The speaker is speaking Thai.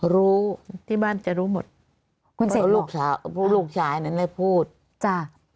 รู้ที่บ้านจะรู้หมดคุณเสกเพราะลูกสาวลูกชายนั้นได้พูดจ้ะ